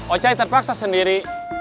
ocai terpaksa sendiri